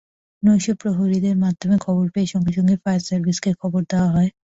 নৈশপ্রহরীদের মাধ্যমে খবর পেয়ে সঙ্গে সঙ্গে ফায়ার সার্ভিসকে খবর দেওয়া হয়।